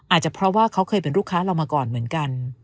อาจจะเพราะว่าเขาเคยเป็นลูกค้าเรามาก่อนเหมือนกัน